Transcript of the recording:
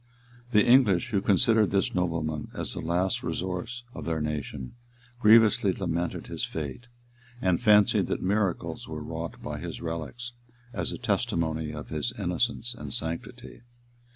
The English, who considered this nobleman as the last resource of their nation, grievously lamented his fate, and fancied that miracles were wrought by his relics, as a testimony of his innocence and sanctity.